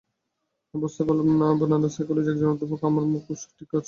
আমি বুঝতে পারলাম না, অ্যাবনর্ম্যাল সাইকোলজির একজন অধ্যাপক আমার কুছ ঠিক কী চান?